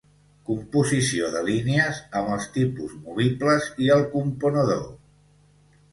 Composició de línies amb els tipus movibles i el componedor.